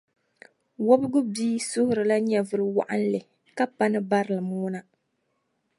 Wɔbigu bia suhurila nyɛvili wɔɣinli ka pa ni barilim ŋuna.